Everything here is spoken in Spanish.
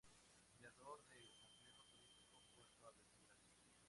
Creador de Complejo Turístico Puerto Aventuras.